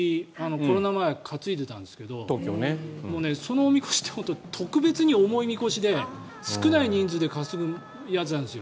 コロナ前は担いでたんですけどもう、そのおみこしって特別に重いみこしで少ない人数で担ぐやつなんですよ。